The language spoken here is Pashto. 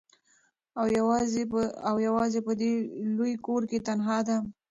او یوازي په دې لوی کور کي تنهاده